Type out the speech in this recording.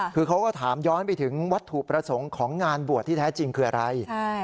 คือเขาก็ถามย้อนไปถึงวัตถุประสงค์ของงานบวชที่แท้จริงคืออะไร